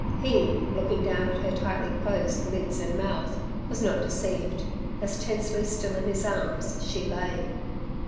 He, looking down at her tightly closed lids and mouth, was not deceived, as tensely still in his arms she lay.